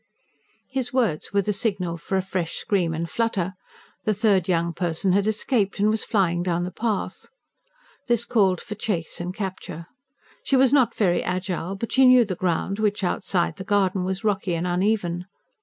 His words were the signal for a fresh scream and flutter: the third young person had escaped, and was flying down the path. This called for chase and capture. She was not very agile but she knew the ground, which, outside the garden, was rocky and uneven.